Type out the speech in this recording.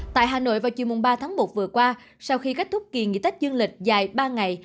tại hà nội vào chiều ba tháng một vừa qua sau khi kết thúc kỳ nghỉ tết dương lịch dài ba ngày